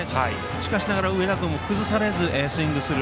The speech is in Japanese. しかしながら、上田君も崩されずにスイングする。